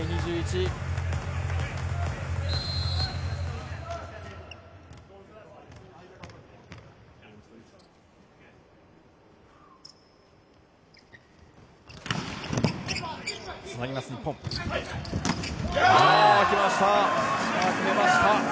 石川、決めました。